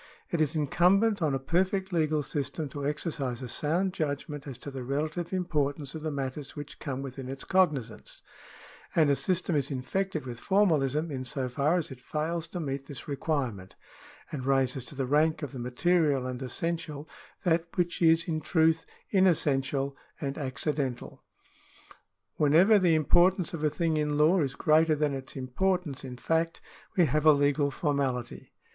It is incumbent on a perfect legal system to exercise a sound judgment as to the relative importance of the matters which come within its cognisance ; and a system is infected with formalism in so far as it fails to meet this requirement, and raises to the rank of the material and essential that which is in truth unessential and accidental. Whenever the importance of a thing in law is greater than its importance in fact, we have a legal formality.